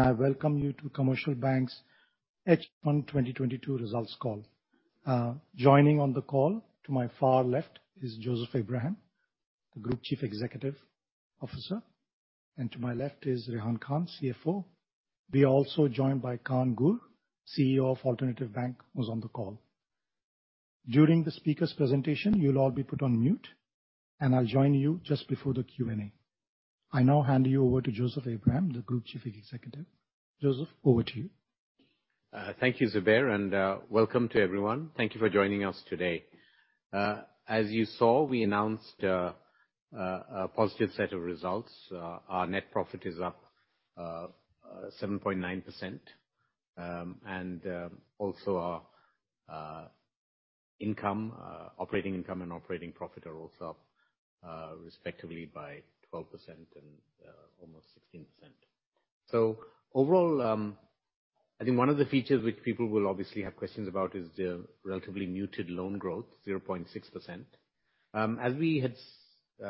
I welcome you to The Commercial Bank's H1 2022 Results Call. Joining on the call to my far left is Joseph Abraham, the Group Chief Executive Officer, and to my left is Rehan Khan, CFO. We are also joined by Kaan Gür, CEO of Alternatif Bank, who's on the call. During the speakers' presentation, you'll all be put on mute, and I'll join you just before the Q&A. I now hand you over to Joseph Abraham, the Group Chief Executive. Joseph. Thank you, Zubair, and welcome to everyone. Thank you for joining us today. As you saw, we announced a positive set of results. Our net profit is up 7.9%, and also our operating income and operating profit are also up, respectively by 12% and almost 16%. I think one of the features which people will obviously have questions about is the relatively muted loan growth, 0.6%. As we had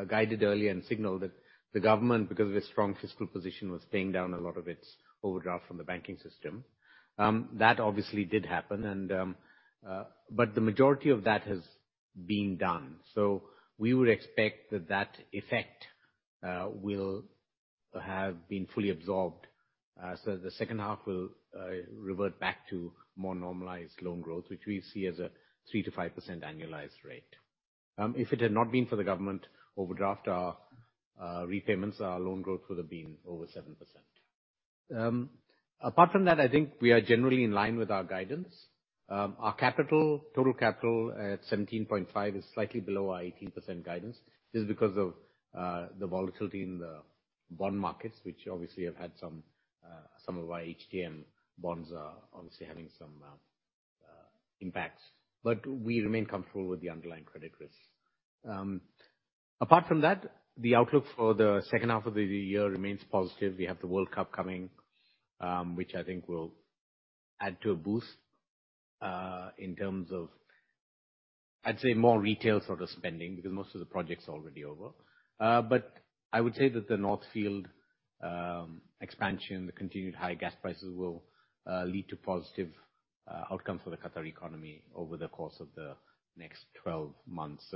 guided earlier and signaled that the government, because of its strong fiscal position, was paying down a lot of its overdraft from the banking system. That obviously did happen, but the majority of that has been done. We would expect that effect will have been fully absorbed, so the second half will revert back to more normalized loan growth, which we see as a 3%-5% annualized rate. If it had not been for the government overdraft, our repayments, our loan growth would have been over 7%. Apart from that, We are generally in line with our guidance. Our total capital at 17.5% is slightly below our 18% guidance. This is because of the volatility in the bond markets, which obviously have had some impacts. Some of our HTM bonds are obviously having some impacts. We remain comfortable with the underlying credit risk. Apart from that, the outlook for the second half of the year remains positive. We have the World Cup coming, which will add to a boost in terms of, I'd say more retail sort of spending, because most of the projects are already over. I would say that the North Field expansion, the continued high gas prices will lead to positive outcomes for the Qatar economy over the course of the next 12 months.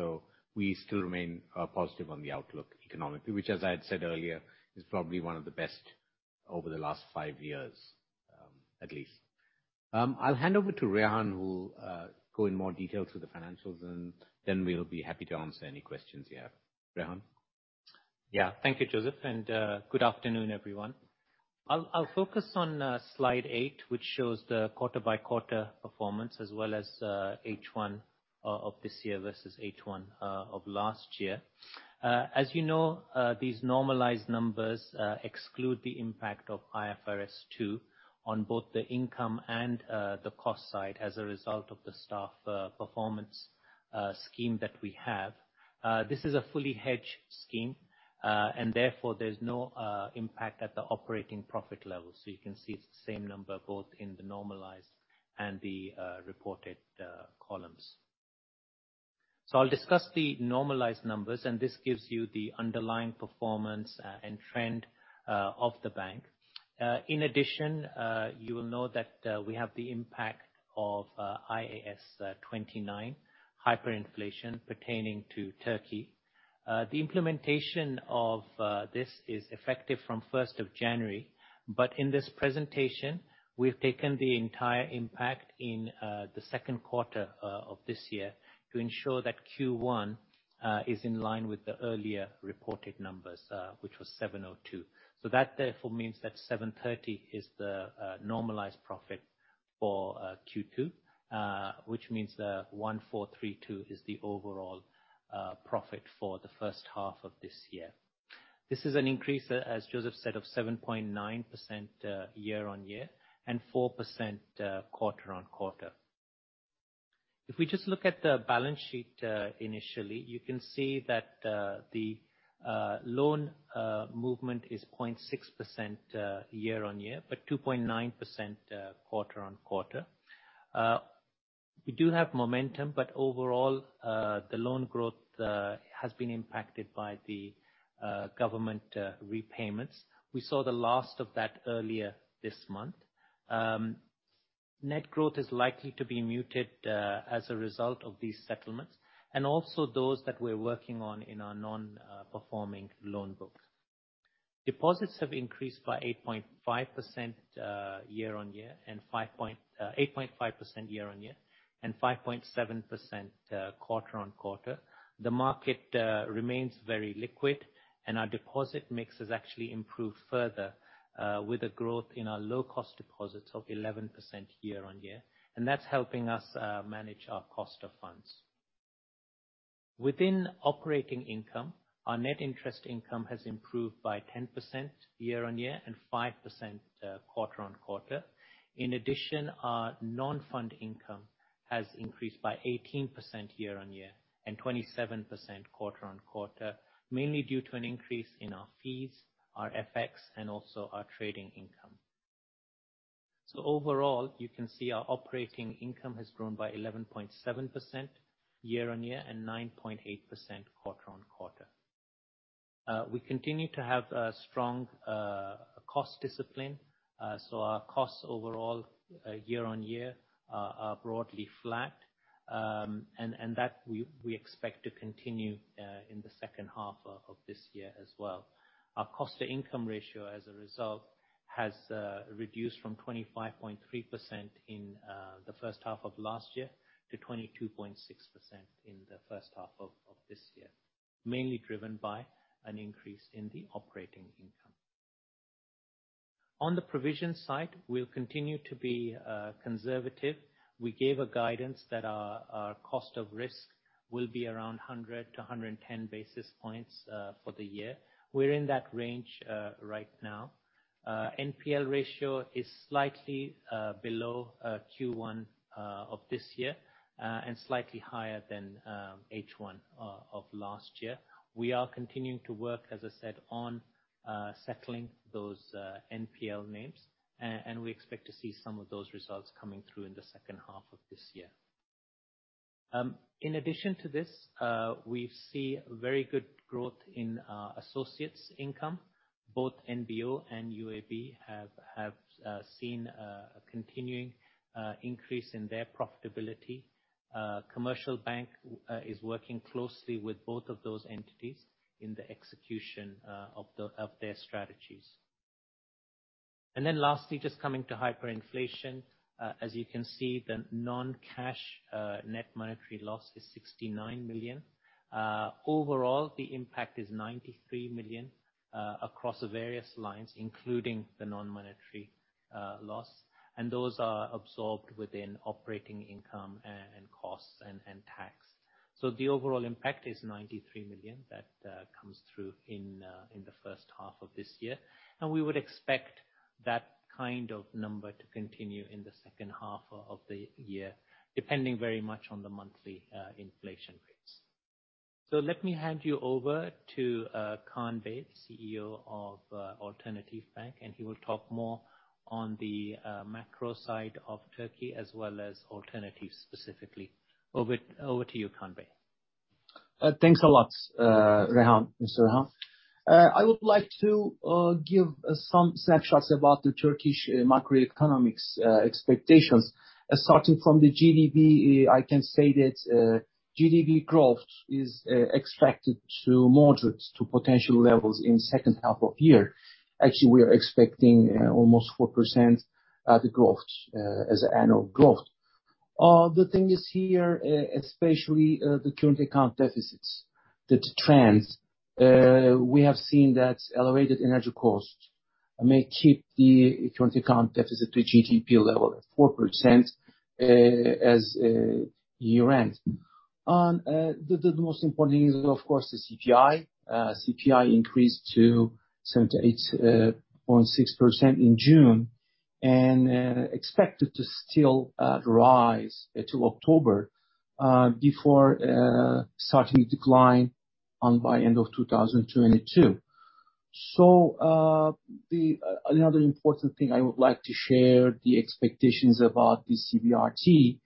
We still remain positive on the outlook economically, which as I had said earlier, is probably one of the best over the last five years, at least. I'll hand over to Rehan, who will go in more detail through the financials and then we'll be happy to answer any questions you have. Rehan. Thank you, Joseph, and Good Afternoon, everyone. I'll focus on slide eight, which shows the quarter-by-quarter performance as well as H1 of this year versus H1 of last year. These normalized numbers exclude the impact of IFRS 2 on both the income and the cost side as a result of the staff performance scheme that we have. This is a fully hedged scheme, and therefore there's no impact at the operating profit level. It's the same number both in the normalized and the reported columns. I'll discuss the normalized numbers, and this gives you the underlying performance and trend of the bank. In addition, That we have the impact of IAS 29, hyperinflation pertaining to Turkey. The implementation of this is effective from January 1, but in this presentation, we've taken the entire impact in the Q2 of this year to ensure that Q1 is in line with the earlier reported numbers, which was 702. That therefore means that 730 is the normalized profit for Q2, which means 1,432 is the overall profit for the first half of this year. This is an increase, as Joseph said, of 7.9% year-on-year and 4% quarter-on-quarter. If we just look at the balance sheet, initially, The loan movement is 0.6% year-on-year, but 2.9% quarter-on-quarter. We do have momentum, but overall, the loan growth has been impacted by the government repayments. We saw the last of that earlier this month. Net growth is likely to be muted as a result of these settlements, and also those that we're working on in our non-performing loan book. Deposits have increased by 8.5% year-on-year and 5.7% quarter-on-quarter. The market remains very liquid and our deposit mix has actually improved further with a growth in our low-cost deposits of 11% year-on-year. That's helping us manage our cost of funds. Within operating income, our net interest income has improved by 10% year-on-year and 5% quarter-on-quarter. In addition, Our non-fund income has increased by 18% year-on-year and 27% quarter-on-quarter, mainly due to an increase in our fees, our FX, and also our trading income. Overall, you can see our operating income has grown by 11.7% year-on-year and 9.8% quarter-on-quarter. We continue to have a strong cost discipline. Our costs overall year-on-year are broadly flat. That we expect to continue in the second half of this year as well. Our cost-to-income ratio as a result has reduced from 25.3% in the first half of last year to 22.6% in the first half of this year. Mainly driven by an increase in the operating income. On the provision side, we'll continue to be conservative. We gave a guidance that our cost of risk will be around 100 to 110 basis points for the year. We're in that range right now. NPL ratio is slightly below Q1 of this year and slightly higher than H1 of last year. We are continuing to work, On settling those NPL names. We expect to see some of those results coming through in the second half of this year. In addition to this, We see very good growth in our associates' income. Both NBO and UAB have seen a continuing increase in their profitability. The Commercial Bank is working closely with both of those entities in the execution of their strategies. Last, just coming to hyperinflation. The non-cash net monetary loss is 69 million. Overall, the impact is 93 million across the various lines, including the non-monetary loss. Those are absorbed within operating income and costs and tax. The overall impact is 93 million that comes through in the first half of this year. We would expect that kind of number to continue in the second half of the year, depending very much on the monthly inflation rates. Let me hand you over to Kaan Gür, CEO of Alternatif Bank, and he will talk more on the macro side of Turkey as well as Alternatif specifically. Over to you, Kaan Gür. Thanks a lot, Rehan. Mr. Rehan. I would like to give some snapshots about the Turkish macroeconomic expectations. Starting from the GDP, I can say that GDP growth is expected to moderate to potential levels in second half of year. Actually, we are expecting almost 4% the growth as annual growth. The thing is here, especially the current account deficits, the trends. We have seen that elevated energy costs may keep the current account deficit to GDP level at 4% as year ends. The most important thing is the CPI. increased to 78.6% in June and expected to still rise until October before starting to decline by end of 2022. Another important thing I would like to share, the expectations about the CBRT.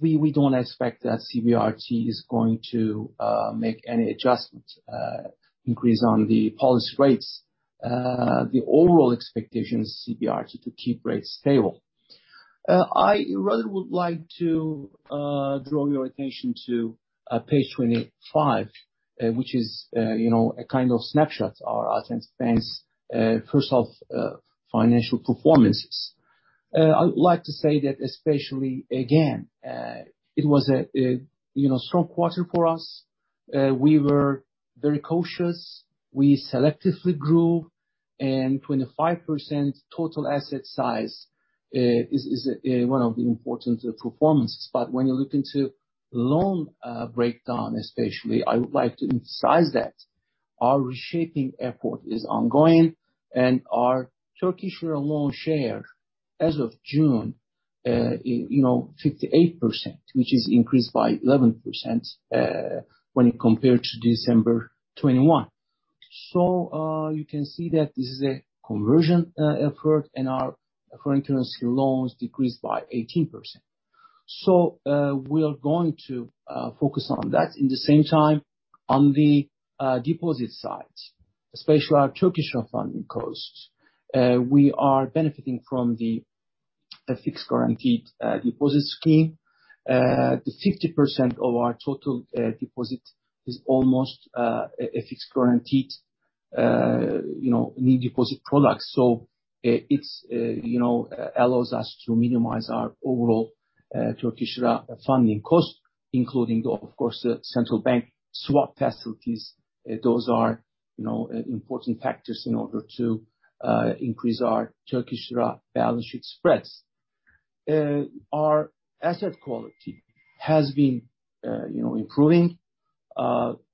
We don't expect that CBRT is going to make any adjustments, increase on the policy rates. The overall expectation is CBRT to keep rates stable. I rather would like to draw your attention to page 25, A kind of snapshot of Alternatif Bank's first half financial performances. I would like to say that especially again, A strong quarter for us. We were very cautious. We selectively grew and 25% total asset size is one of the important performances. When you look into loan breakdown especially, I would like to emphasize that our reshaping effort is ongoing and our Turkish lira loan share as of June, 58%. Which is increased by 11%, when you compare to December 2021. You can see that this is a conversion effort and our foreign currency loans decreased by 18%. We are going to focus on that. In the same time, on the deposit side, especially our Turkish lira funding costs, we are benefiting from the FX-protected deposit scheme. 50% of our total deposit is almost a FX-protected, lira deposit product. Allows us to minimize our overall Turkish lira funding cost, including of course the central bank swap facilities. Those are important factors in order to increase our Turkish lira balance sheet spreads. Our asset quality has been improving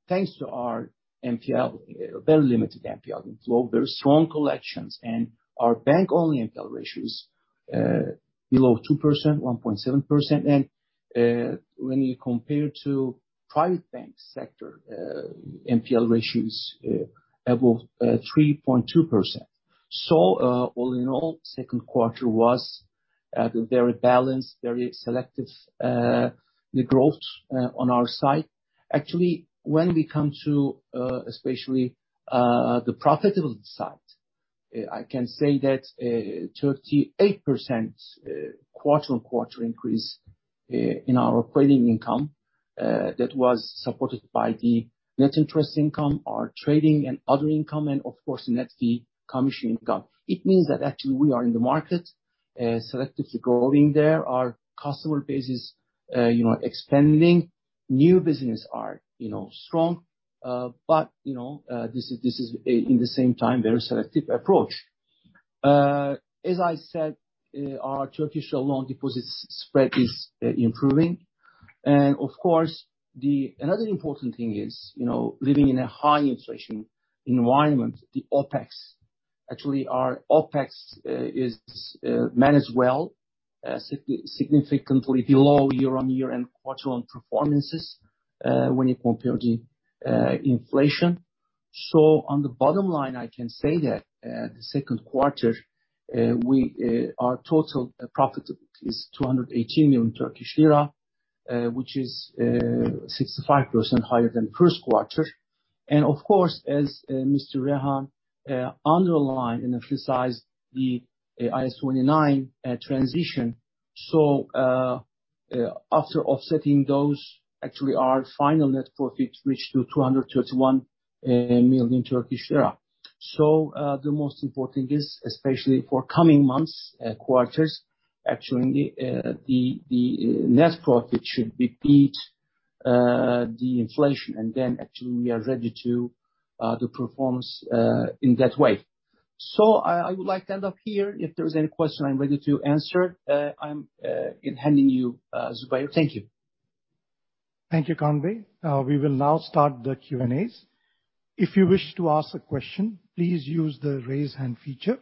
thanks to our NPL very limited NPL inflow, very strong collections. Our bank-only NPL ratio is below 2%, 1.7%. When you compare to private bank sector NPL ratio is above 3.2%. All in all, second quarter was at a very balanced, very selective the growth on our side. When we come to especially the profitable side, I can say that 38% quarter-on-quarter increase in our operating income that was supported by the net interest income, our trading and other income, and net fee and commission income. It means that actually we are in the market selectively growing there. Our customer base expanding. New business are strong. This is in the same time very selective approach. As I said, our Turkish loan deposits spread is improving. Another important thing is living in a high inflation environment, the OpEx. Actually, our OpEx is managed well significantly below year-on-year and quarter-on-quarter performances when you compare the inflation. On the bottom line, I can say that the second quarter our total profit is 218 million Turkish lira, which is 65% higher than first quarter. Of course, as Mr. Rehan underlined and emphasized the IAS 29 transition. After offsetting those, actually our final net profit reached to 231 million Turkish lira. The most important is especially for coming months, quarters, actually the net profit should beat the inflation. Then actually we are ready to the performance in that way. I would like to end up here. If there's any question I'm ready to answer. I'm handing you Zubair. Thank you, Kaan. We will now start the Q&As. If you wish to ask a question, please use the raise hand feature.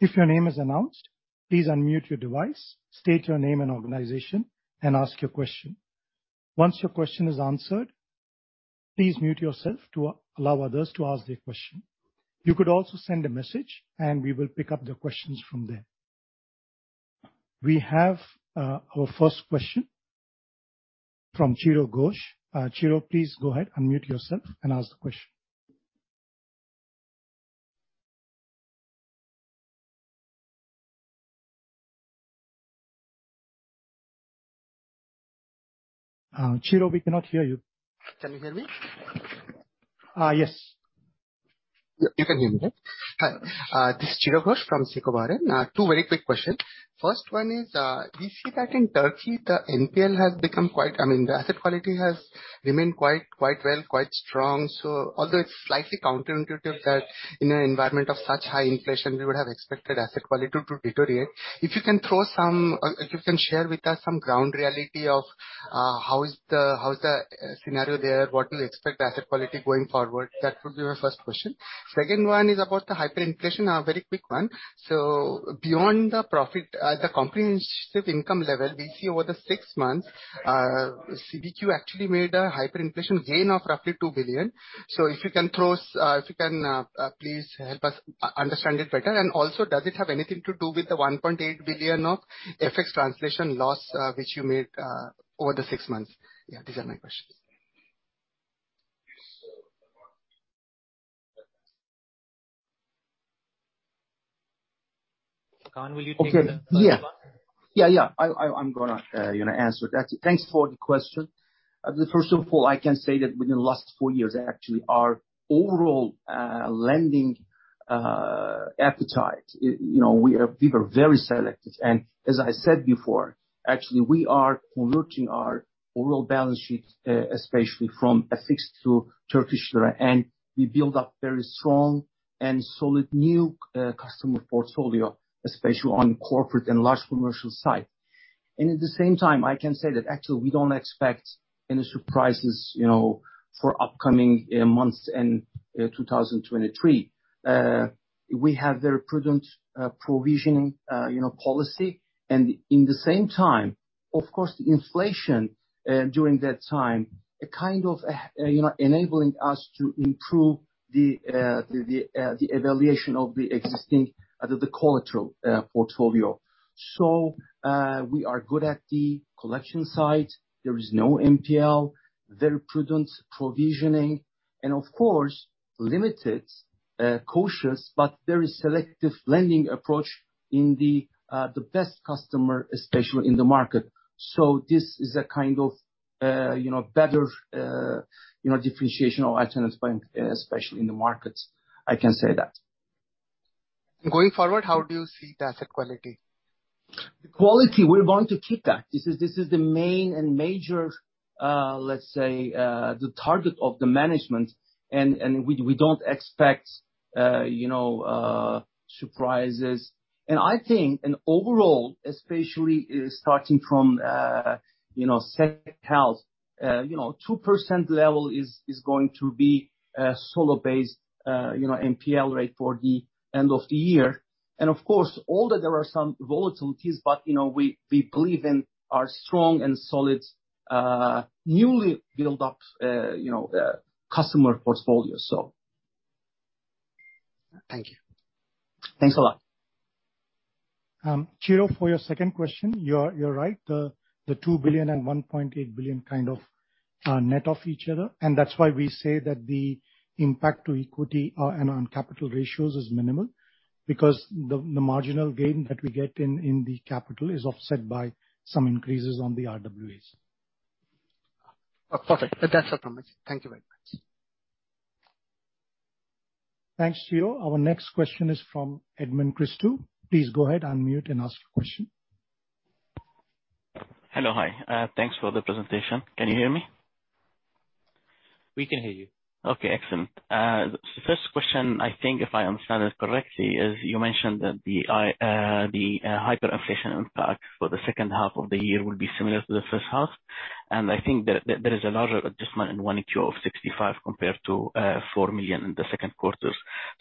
If your name is announced, please unmute your device, state your name and organization, and ask your question. Once your question is answered, please mute yourself to allow others to ask their question. You could also send a message and we will pick up the questions from there. We have our first question from Chiradeep Ghosh. Chiradeep, please go ahead, unmute yourself and ask the question. Chiradeep, we cannot hear you. Can you hear me? Yes. You can hear me, right? Hi, this is Chiradeep Ghosh from SICO Bahrain. Two very quick questions. First one is, we see that in Turkey, the NPL has become quite. The asset quality has remained quite well, quite strong. Although it's slightly counterintuitive that in an environment of such high inflation we would have expected asset quality to deteriorate. If you can share with us some ground reality of how is the scenario there? What do you expect asset quality going forward? That would be my first question. Second one is about the hyperinflation. A very quick one. Beyond the profit at the comprehensive income level, we see over the six months, CBQ actually made a hyperinflation gain of roughly 2 billion. Does it have anything to do with the 1.8 billion of FX translation loss, which you made, over the six months? these are my questions. Kaan, will you take the third one? Okay. I'm gonna answer that. Thanks for the question. First of all, I can say that within the last four years, actually, our overall lending appetite, we were very selective. As I said before, actually we are converting our overall balance sheet, especially from FX to Turkish lira, and we build up very strong and solid new customer portfolio, especially on corporate and large commercial side. At the same time, I can say that actually we don't expect any surprises for upcoming months in 2023. We have very prudent provisioning, policy. At the same time, The inflation during that time, it kind of enabling us to improve the evaluation of the existing collateral portfolio. We are good at the collection side. There is no NPL, very prudent provisioning and limited cautious, but very selective lending approach in the best customer, especially in the market. This is a better differentiation of Alternatif Bank, especially in the market. I can say that. Going forward, how do you see the asset quality? The quality, we're going to keep that. This is the main and major, let's say, the target of the management. We don't expect surprises. In overall, especially, starting from second half 2% level is going to be a solid base, NPL rate for the end of the year. Although there are some volatilities, but we believe in our strong and solid, newly built up customer portfolio, so. Thank you. Thanks a lot. Chiradeep, for your second question, you're right. The 2 billion and 1.8 billion kind of net off each other. That's why we say that the impact to equity and on capital ratios is minimal. Because the marginal gain that we get in the capital is offset by some increases on the RWAs. Oh, perfect. That's all from me. Thank you very much. Thanks, Chio. Our next question is from Edmond Christou. Please go ahead, unmute, and ask your question. Hello. Hi. Thanks for the presentation. Can you hear me? We can hear you. Okay, excellent. First question, If I understand this correctly, is you mentioned that the hyperinflation impact for the second half of the year will be similar to the first half. There is a larger adjustment in 1Q of 65 million compared to 4 million in the second quarter.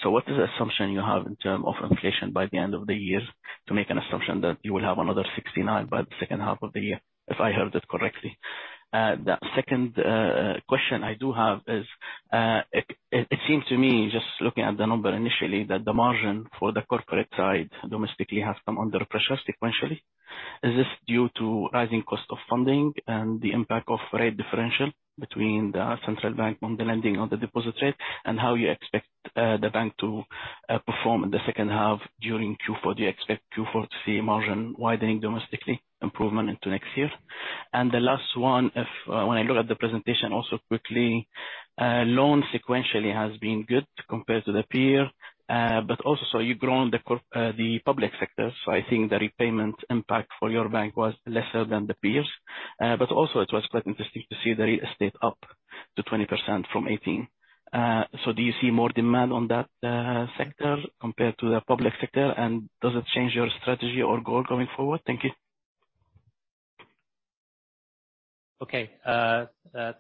What is the assumption you have in terms of inflation by the end of the year to make an assumption that you will have another 69 million by the second half of the year, if I heard that correctly? The second question I do have is, it seems to me, just looking at the numbers initially, that the margin for the corporate side domestically has come under pressure sequentially. Is this due to rising cost of funding and the impact of rate differential between the central bank on the lending or the deposit rate? How you expect the bank to perform in the second half during Q4? Do you expect Q4 to see margin widening domestically improvement into next year? The last one, when I look at the presentation also quickly, loans sequentially has been good compared to the peer. You've grown the public sector. I think the repayment impact for your bank was lesser than the peers. It was quite interesting to see the real estate up to 20% from 18. Do you see more demand on that sector compared to the public sector? Does it change your strategy or goal going forward? Thank you.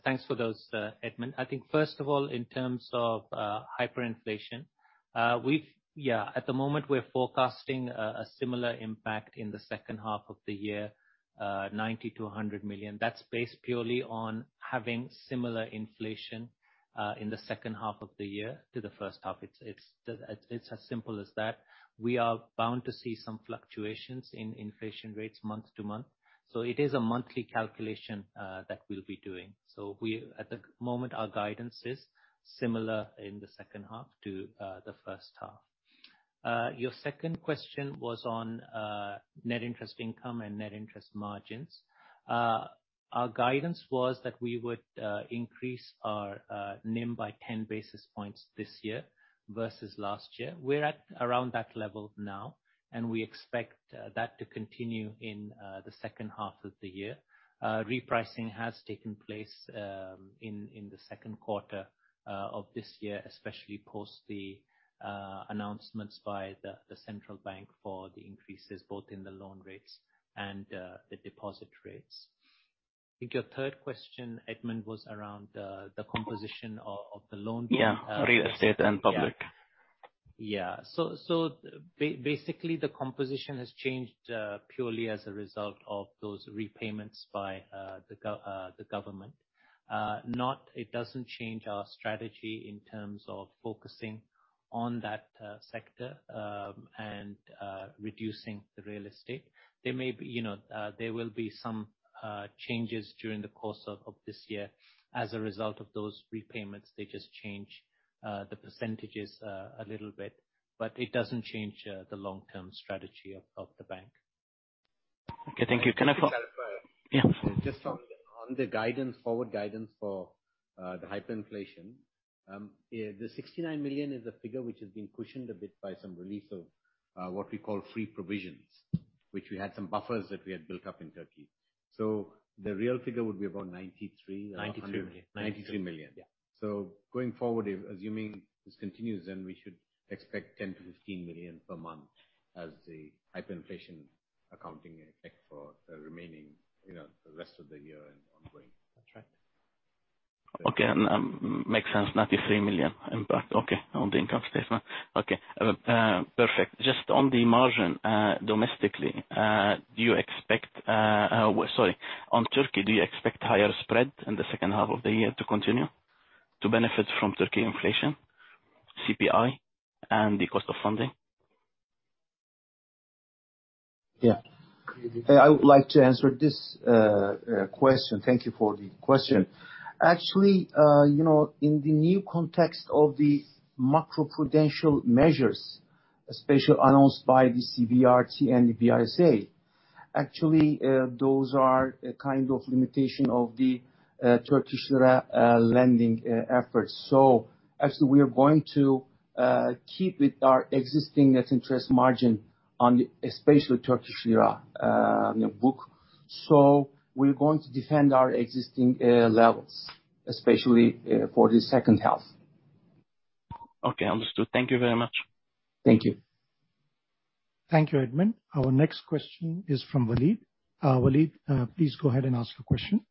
Thanks for those, Edmond. I think first of all, in terms of hyperinflation, at the moment, we're forecasting a similar impact in the second half of the year, 90 million-100 million. That's based purely on having similar inflation in the second half of the year to the first half. It's as simple as that. We are bound to see some fluctuations in inflation rates month to month. It is a monthly calculation that we'll be doing. We, at the moment, our guidance is similar in the second half to the first half. Your second question was on net interest income and net interest margins. Our guidance was that we would increase our NIM by 10 basis points this year versus last year. We're at around that level now, and we expect that to continue in the second half of the year. Repricing has taken place in the second quarter of this year, especially post the announcements by the central bank for the increases, both in the loan rates and the deposit rates. Your third question, Edmond, was around the composition of the loan. Real estate and public. Basically, the composition has changed purely as a result of those repayments by the government. Not, it doesn't change our strategy in terms of focusing on that sector and reducing the real estate. There maybe there will be some changes during the course of this year as a result of those repayments. They just change the percentages a little bit, but it doesn't change the long-term strategy of the bank. Okay, thank you. Can I fol- Just to clarify. Yes. Just on the guidance, forward guidance for the hyperinflation. The 69 million is a figure which has been cushioned a bit by some release of what we call free provisions, which we had some buffers that we had built up in Turkey. The real figure would be about 93 or 100- 93 million. 93 million. Yes. Going forward, if assuming this continues, then we should expect 10-15 million per month as the hyperinflation accounting effect for the remaining, The rest of the year and ongoing. That's right. Okay. Makes sense. QAR 93 million impact, okay, on the income statement. Okay. Perfect. Sorry. On Turkey, do you expect higher spread in the second half of the year to continue to benefit from Turkey inflation, CPI, and the cost of funding? I would like to answer this question. Thank you for the question. Actually, in the new context of the macro-prudential measures, especially announced by the CBRT and the BDDK, actually, those are a kind of limitation of the Turkish lira lending efforts. So actually, we are going to keep with our existing net interest margin on the, especially Turkish lira, book. So we're going to defend our existing levels, especially, for the second half. Okay, understood. Thank you very much. Thank you. Thank you, Edmond. Our next question is from Waleed. Waleed, please go ahead and ask your question.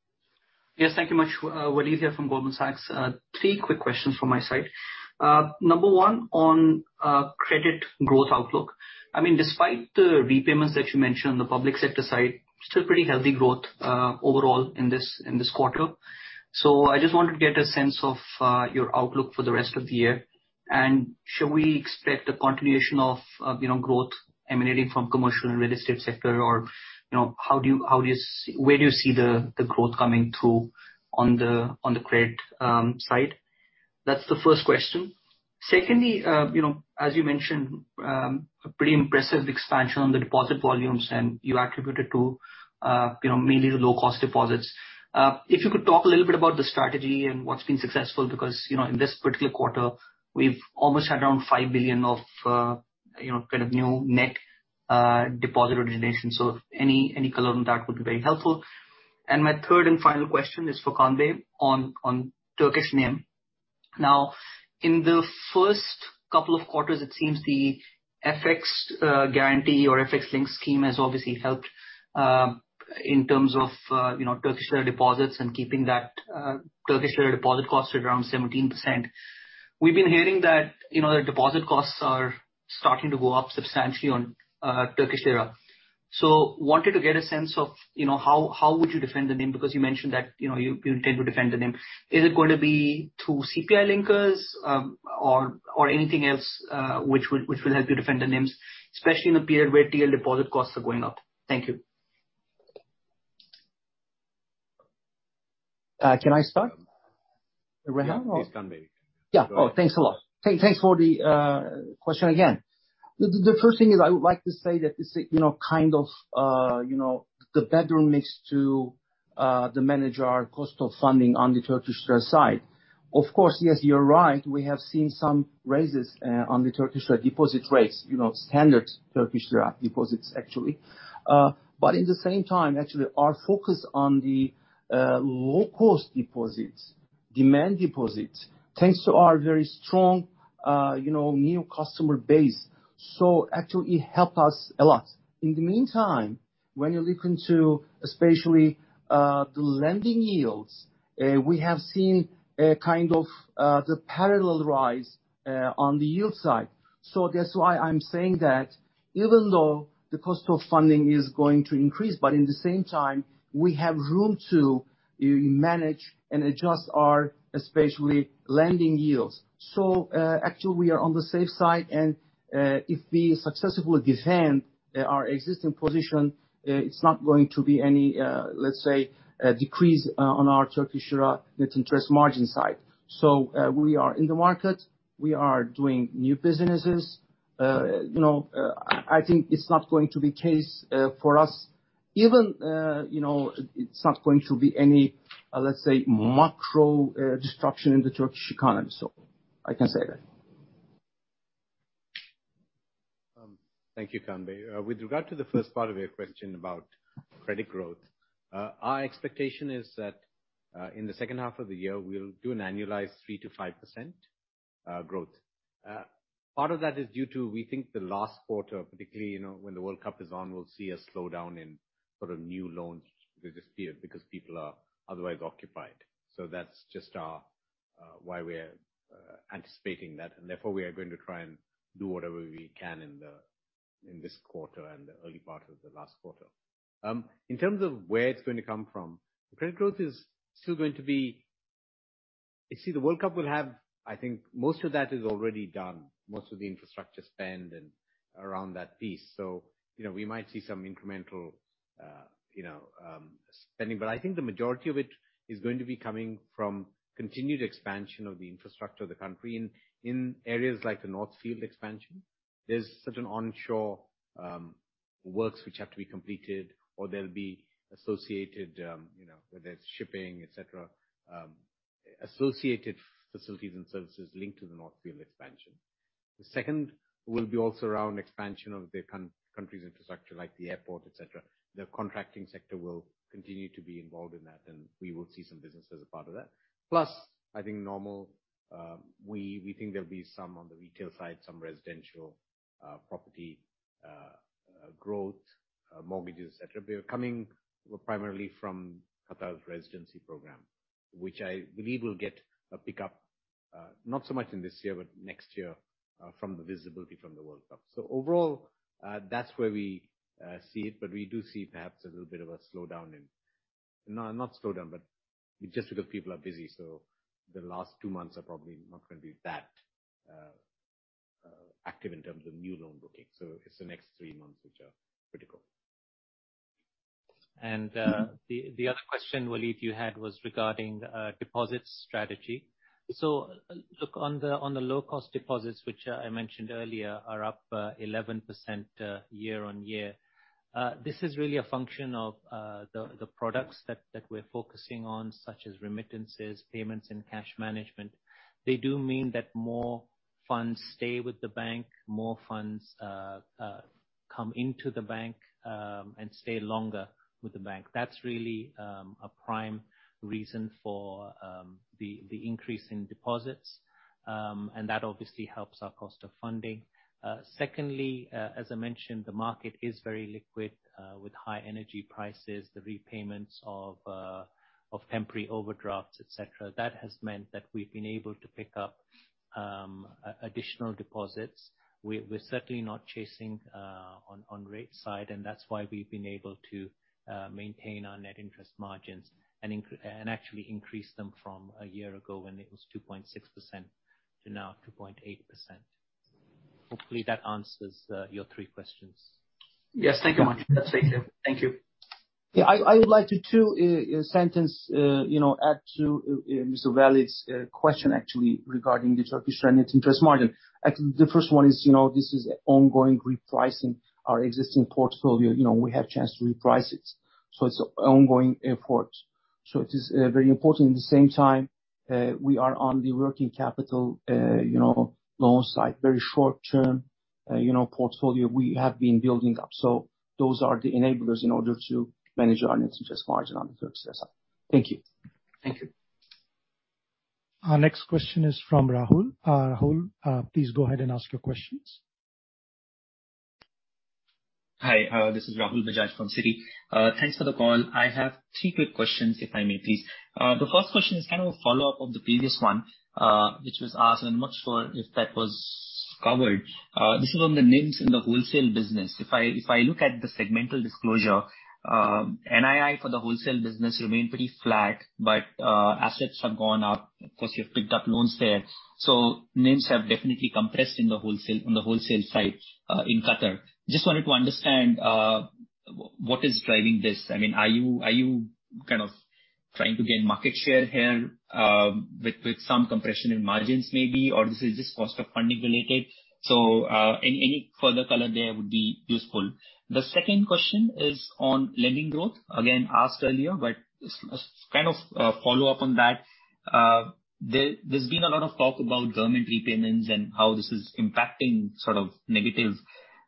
Yes. Thank you much. Waleed here from Goldman Sachs. Three quick questions from my side. Number one on credit growth outlook. Despite the repayments that you mentioned on the public sector side, still pretty healthy growth overall in this quarter. I just wanted to get a sense of your outlook for the rest of the year. Should we expect a continuation of growth emanating from commercial and real estate sector? Or where do you see the growth coming through on the credit side? That's the first question. Secondly, As you mentioned, a pretty impressive expansion on the deposit volumes, and you attribute it to mainly the low cost deposits. If you could talk a little bit about the strategy and what's been successful because in this particular quarter we've almost had around 5 billion of kind of new net deposit origination. Any color on that would be very helpful. My third and final question is for Kaan Gür on Turkish NIM. In the first couple of quarters, it seems the FX-protected deposit scheme has obviously helped in terms of Turkish lira deposits and keeping that Turkish lira deposit cost at around 17%. We've been hearing that the deposit costs are starting to go up substantially on Turkish lira. Wanted to get a sense of how would you defend the NIM? Because you mentioned that you intend to defend the NIM. Is it gonna be through CPI linkers, or anything else, which would help you defend the NIMs, especially in a period where TL deposit costs are going up? Thank you. Can I start, Rehan, or? Yes, please Kaan Gür. Thanks a lot. Thanks for the question again. The first thing is I would like to say that it's a kind of, the better mix to manage our cost of funding on the Turkish lira side. Of course, yes, you're right. We have seen some raises on the Turkish lira deposit rates, standard Turkish lira deposits actually. In the same time, actually our focus on the low cost deposits, demand deposits, thanks to our very strong, new customer base, so actually help us a lot. In the meantime, when you look into especially, the lending yields, we have seen a kind of, the parallel rise on the yield side. That's why I'm saying that even though the cost of funding is going to increase, but in the same time we have room to manage and adjust our especially lending yields. Actually we are on the safe side and if we successfully defend our existing position, it's not going to be any, let's say, decrease on our Turkish lira net interest margin side. We are in the market, we are doing new businesses. it's not going to be case for us even, it's not going to be any, let's say, macro disruption in the Turkish economy. I can say that. Thank you, Kaan Gür. With regard to the first part of your question about credit growth, our expectation is that, in the second half of the year we'll do an annualized 3%-5% growth. Part of that is due to the last quarter, particularly, when the World Cup is on, we'll see a slowdown in sort of new loans with this period because people are otherwise occupied. That's just our why we're anticipating that. We are going to try and do whatever we can in this quarter and the early part of the last quarter. In terms of where it's going to come from, the credit growth is still going to be... The World Cup will have. Most of that is already done, most of the infrastructure spend and around that piece. We might see some incremental, Spending. The majority of it is going to be coming from continued expansion of the infrastructure of the country in areas like the North Field expansion. There's certain onshore works which have to be completed or there'll be associated, whether it's shipping, et cetera, associated facilities and services linked to the North Field expansion. The second will be also around expansion of the country's infrastructure, like the airport, et cetera. The contracting sector will continue to be involved in that, and we will see some business as a part of that. I think normally we think there'll be some on the retail side, some residential property growth, mortgages, et cetera. They're coming primarily from Qatar's residency program, which I believe will get a pickup, not so much in this year, but next year, from the visibility from the World Cup. Overall, that's where we see it, but we do see perhaps a little bit of a slowdown. No, not slowdown, but just because people are busy. The last two months are probably not gonna be that active in terms of new loan booking. It's the next three months which are critical. The other question, Waleed, you had was regarding the deposits strategy. Look, on the low cost deposits which I mentioned earlier are up 11% year-over-year. This is really a function of the products that we're focusing on, such as remittances, payments, and cash management. They do mean that more funds stay with the bank, more funds come into the bank, and stay longer with the bank. That's really a prime reason for the increase in deposits. That obviously helps our cost of funding. Secondly, as I mentioned, the market is very liquid, with high energy prices, the repayments of temporary overdrafts, et cetera. That has meant that we've been able to pick up additional deposits. We're certainly not chasing on rate side, and that's why we've been able to maintain our net interest margins and actually increase them from a year ago when it was 2.6% to now 2.8%. Hopefully that answers your three questions. Yes. Thank you much. That's very clear. Thank you. I would like to add to Mr. Bilandani's question actually regarding the Turkish net interest margin. Actually, the first one is, this is ongoing repricing our existing portfolio. we have chance to reprice it, so it's ongoing effort. It is very important. At the same time, we are working on the working capital, loan side, very short term, portfolio we have been building up. Those are the enablers in order to manage our net interest margin on the Turkish side. Thank you. Our next question is from Rahul. Rahul, please go ahead and ask your questions. Hi, this is Rahul Bajaj from Citi. Thanks for the call. I have three quick questions, if I may, please. The first question is kind of a follow-up of the previous one, which was asked, I'm not sure if that was covered. This is on the NIMs in the wholesale business. If I look at the segmental disclosure, NII for the wholesale business remain pretty flat, but assets have gone up. You've picked up loans there. So NIMs have definitely compressed in the wholesale, on the wholesale side, in Qatar. Just wanted to understand, what is driving this? are you kind of trying to gain market share here, with some compression in margins maybe, or this is just cost of funding related? Any further color there would be useful. The second question is on lending growth. Again, asked earlier, but kind of a follow-up on that. There's been a lot of talk about government repayments and how this is impacting sort of negative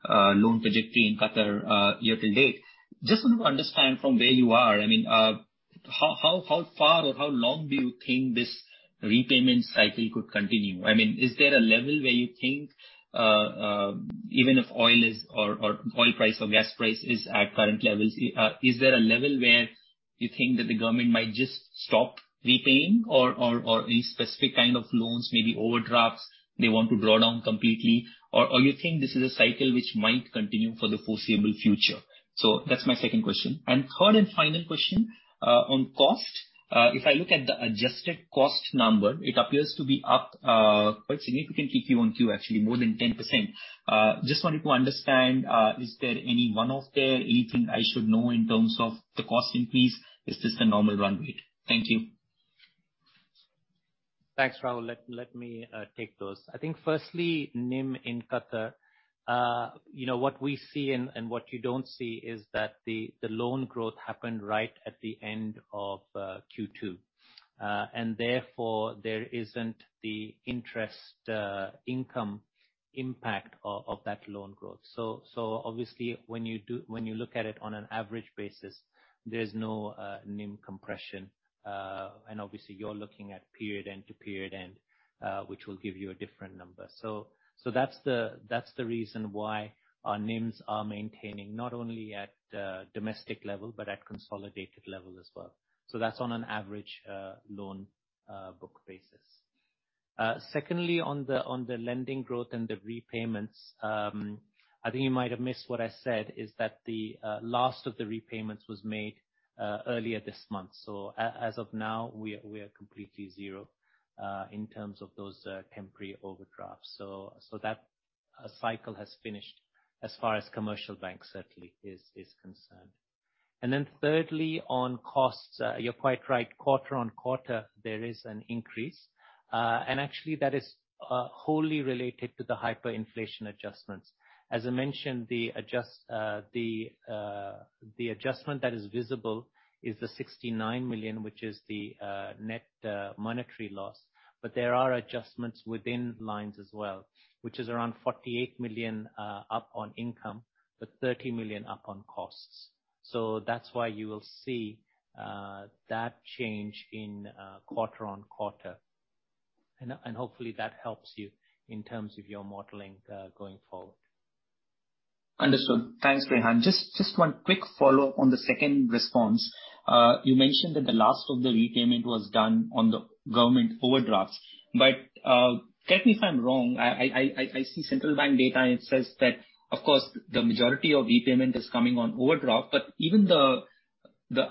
loan trajectory in Qatar, year to date. Just want to understand from where you are, how far or how long do you think this repayment cycle could continue? Is there a level where you think, even if oil price or gas price is at current levels, is there a level where you think that the government might just stop repaying or any specific kind of loans, maybe overdrafts they want to draw down completely? Or do you think this is a cycle which might continue for the foreseeable future? That's my second question. Third and final question on cost. If I look at the adjusted cost number, it appears to be up quite significantly quarter-over-quarter, actually more than 10%. Just wanted to understand, is there any one-off there? Anything I should know in terms of the cost increase? Is this the normal run rate? Thank you. Thanks, Rahul. Let me take those. I think firstly, NIM in Qatar. what we see and what you don't see is that the loan growth happened right at the end of Q2. And therefore, there isn't the interest income impact of that loan growth. So obviously when you look at it on an average basis, there's no NIM compression. And obviously you're looking at period end to period end, which will give you a different number. So that's the reason why our NIMs are maintaining not only at domestic level but at consolidated level as well. So that's on an average loan book basis. Second, on the lending growth and the repayments, You might have missed what I said, is that the last of the repayments was made earlier this month. As of now, we are completely zero in terms of those temporary overdrafts. That cycle has finished as far as The Commercial Bank certainly is concerned. Thirdly, on costs, you're quite right, quarter-over-quarter there is an increase. Actually that is wholly related to the hyperinflation adjustments. As I mentioned, the adjustment that is visible is the 69 million, which is the net monetary loss. But there are adjustments within lines as well, which is around 48 million up on income, but 30 million up on costs. That's why you will see that change in quarter-on-quarter. Hopefully that helps you in terms of your modeling going forward. Understood. Thanks, Rehan. Just one quick follow-up on the second response. You mentioned that the last of the repayment was done on the government overdraft. Correct me if I'm wrong, I see central bank data, it says that, of course, the majority of repayment is coming on overdraft, but even the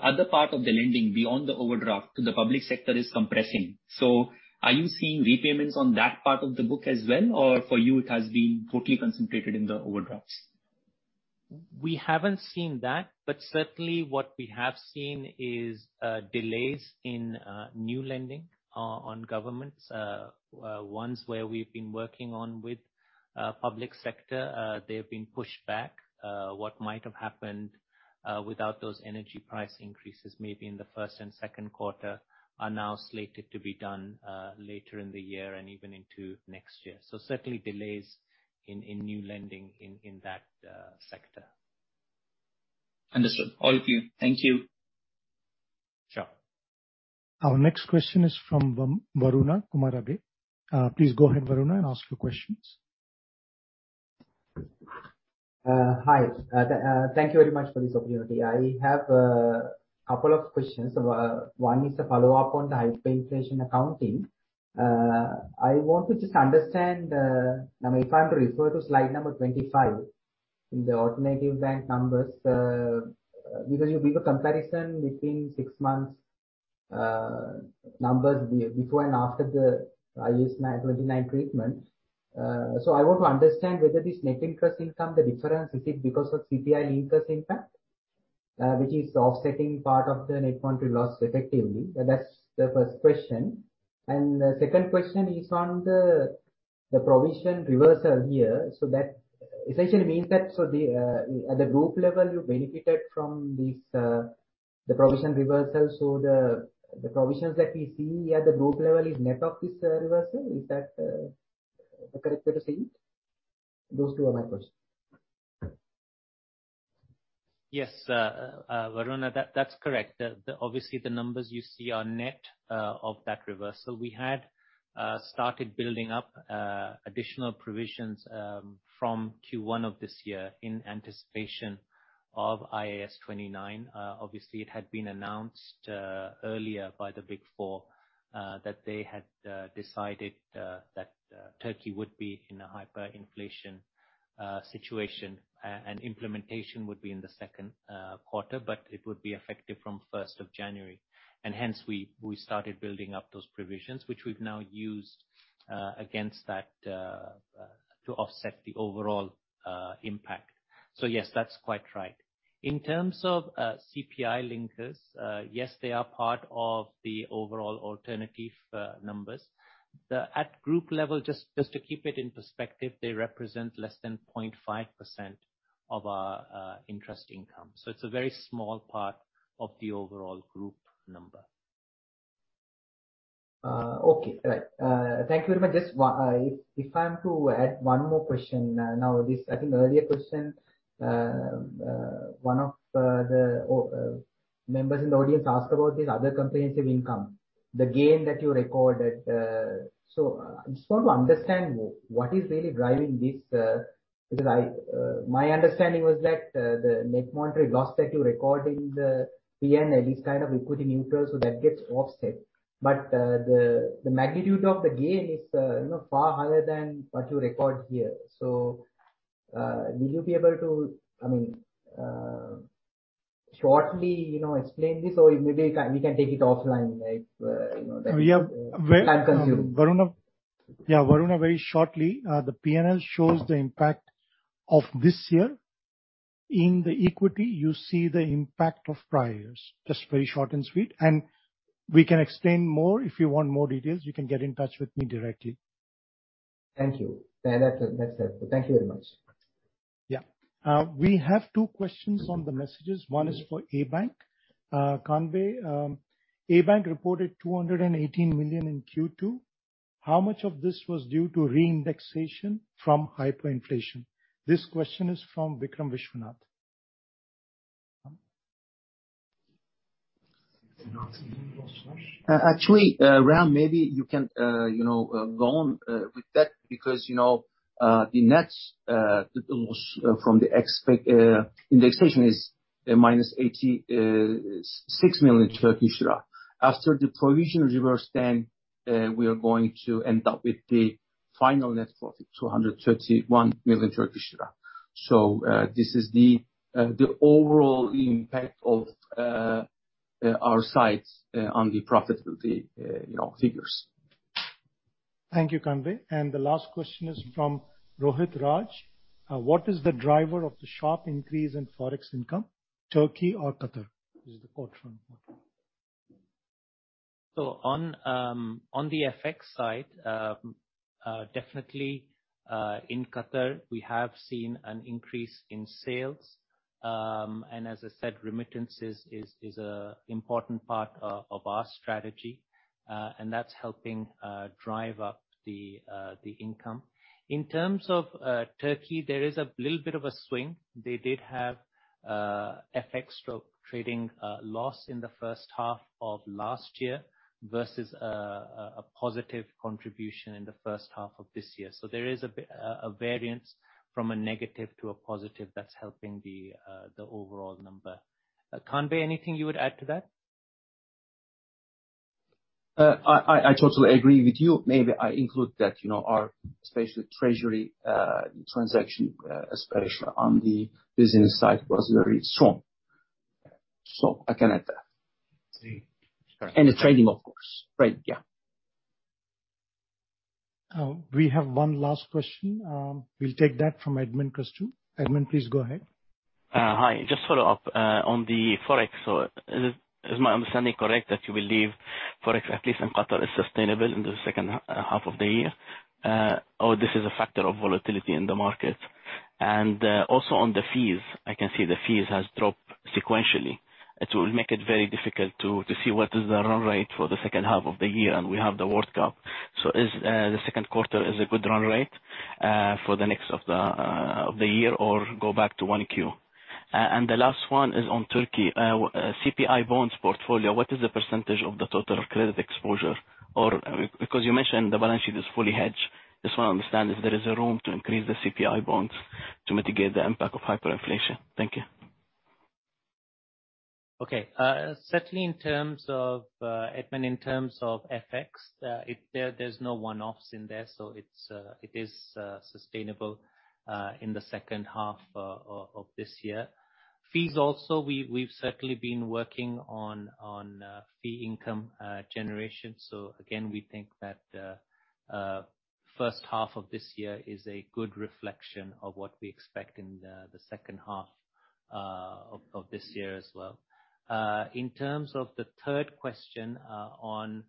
other part of the lending beyond the overdraft to the public sector is compressing. So are you seeing repayments on that part of the book as well, or for you it has been totally concentrated in the overdrafts? We haven't seen that, but certainly what we have seen is delays in new lending on governments. Ones where we've been working on with public sector, they've been pushed back. What might have happened without those energy price increases maybe in the first and second quarter are now slated to be done later in the year and even into next year. Certainly delays in new lending in that sector. Understood. All clear. Thank you. Sure. Our next question is from Varuna Kumarage. Please go ahead, Varuna, and ask your questions. Hi. Thank you very much for this opportunity. I have couple of questions. One is a follow-up on the hyperinflation accounting. I want to just understand now if I'm to refer to slide number 25, in the Alternatif Bank numbers, because you give a comparison between six months numbers before and after the IAS 29 treatment. I want to understand whether this net interest income, the difference, is it because of CPI linkers impact, which is offsetting part of the net monetary loss effectively? That's the first question. The second question is on the provision reversal here. That essentially means that at the group level you benefited from this the provision reversal. The provisions that we see at the group level is net of this reversal. Is that the correct way to see it? Those two are my questions. Yes, Varuna, that's correct. Obviously, the numbers you see are net of that reversal. We had started building up additional provisions from Q1 of this year in anticipation of IAS 29. Obviously it had been announced earlier by the Big Four that they had decided that Turkey would be in a hyperinflation situation. And implementation would be in the second quarter, but it would be effective from first of January. Hence, we started building up those provisions, which we've now used against that to offset the overall impact. Yes, that's quite right. In terms of CPI linkers, yes, they are part of the overall alternative numbers. At group level, just to keep it in perspective, they represent less than 0.5% of our interest income. It's a very small part of the overall group number. Okay. Right. Thank you very much. Just one, if I am to add one more question. Now, this Earlier question, one of the members in the audience asked about this other comprehensive income, the gain that you recorded. So I just want to understand what is really driving this, because my understanding was that the net monetary loss that you record in the P&L is kind of equity neutral, so that gets offset. But the magnitude of the gain is far higher than what you record here. So will you be able to, shortly explain this? Or maybe we can take it offline. Yes. Time consuming. Varuna very shortly, the P&L shows the impact of this year. In the equity, you see the impact of priors. Just very short and sweet. We can explain more. If you want more details, you can get in touch with me directly. Thank you. that's it. Thank you very much. We have two questions on the messages. One is for ABank. Kaan Gür, ABank reported 218 million in Q2. How much of this was due to re-indexation from hyperinflation? This question is from Vikram Viswanath. Actually, Rehan, maybe you can go on with that because, you know, the net loss from the expected indexation is -86 million Turkish lira. After the provision reversal then, we are going to end up with the final net profit, 231 million Turkish lira. This is the overall impact of our side's on the profitability, figures. Thank you, Kaan Gür. The last question is from Rohit Raj: What is the driver of the sharp increase in Forex income, Turkey or Qatar? This is the quote from him. On the FX side, definitely, in Qatar, we have seen an increase in sales. As I said, remittances is an important part of our strategy, and that's helping drive up the income. In terms of Turkey, there is a little bit of a swing. They did have FX trading loss in the first half of last year versus a positive contribution in the first half of this year. There is a variance from a negative to a positive that's helping the overall number. Kaan Gür, anything you would add to that? I totally agree with you. Maybe I include that our especially treasury transaction especially on the business side was very strong. I can add that. See. The trading, of course, right? We have one last question. We'll take that from Edmond Christou. Edmond, please go ahead. Hi. Just follow up on the Forex. So is my understanding correct that you believe Forex, at least in Qatar, is sustainable in the second half of the year? Or this is a factor of volatility in the market? Also on the fees, I can see the fees has dropped sequentially. It will make it very difficult to see what is the run rate for the second half of the year, and we have the World Cup. So is the second quarter a good run rate for the rest of the year or go back to 1Q? And the last one is on Turkey. CPI bonds portfolio, what is the percentage of the total credit exposure? Because you mentioned the balance sheet is fully hedged. Just wanna understand if there is a room to increase the CPI bonds to mitigate the impact of hyperinflation? Thank you. Okay. Certainly in terms of Edmond Christou, in terms of FX, there's no one-offs in there, so it's sustainable in the second half of this year. Fees also, we've certainly been working on fee income generation. Again, we think that first half of this year is a good reflection of what we expect in the second half of this year as well. In terms of the third question on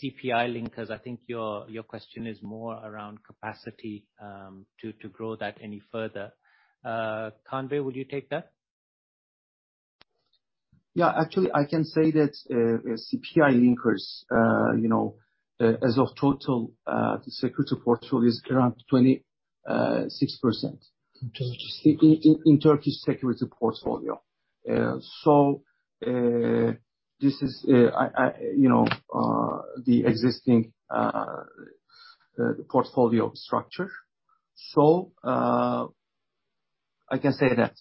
CPI linkers, Your question is more around capacity to grow that any further. Kaan Gür, would you take that? Actually, I can say that, CPI linkers, as a total, the securities portfolio is around 26%. In Turkish. In Turkish securities portfolio. This is the existing portfolio structure. I can say that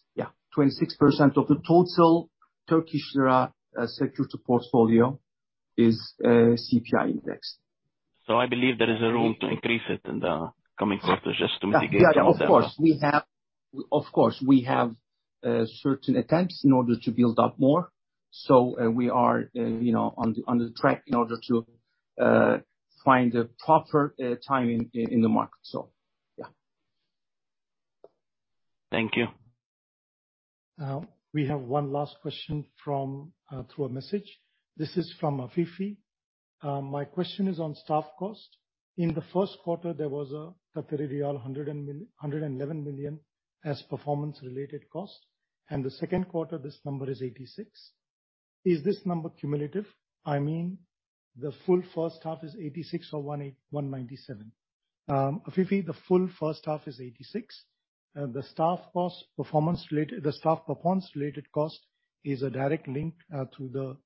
26% of the total Turkish lira securities portfolio is CPI index. I believe there is a room to increase it in the coming quarters just to mitigate some of the We have certain attempts in order to build up more. We are on the track in order to find a proper timing in the market. Thank you. We have one last question from through a message. This is from Afifi. My question is on staff cost. In the first quarter, there was 111 million as performance related cost, and the second quarter this number is 86. Is this number cumulative? The full first half is 86 or 181.97. Afifi, the full first half is 86. The staff performance related cost is a direct link to the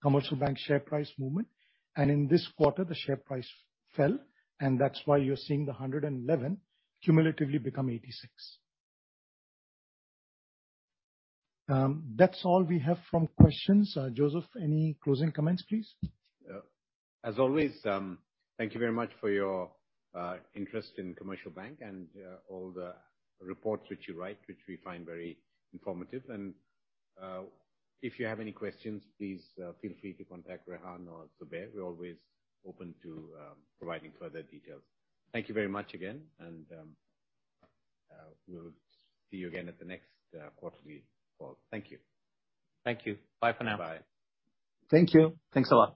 Commercial Bank share price movement. In this quarter, the share price fell, and that's why you're seeing the 111 cumulatively become 86. That's all we have from questions. Joseph, any closing comments, please? As always, thank you very much for your interest in The Commercial Bank and all the reports which you write, which we find very informative. If you have any questions, please feel free to contact Rehan or Zubair. We're always open to providing further details. Thank you very much again, and we'll see you again at the next quarterly call. Thank you. Thank you. Bye for now. Bye. Thank you. Thanks a lot.